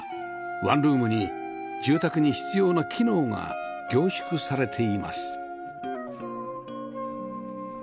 ワンルームに住宅に必要な機能が凝縮されています